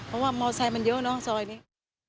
เพราะว่ามอไซค์มันเยอะเนอะซอยนี้